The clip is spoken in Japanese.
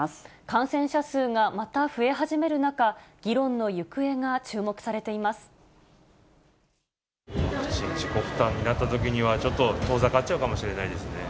感染者数がまた増え始める中、ワクチン自己負担になったときには、ちょっと遠ざかっちゃうかもしれないですね。